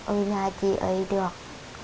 ở nhà chị ấy được